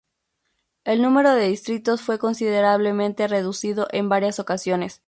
El número de distritos fue considerablemente reducido en varias ocasiones.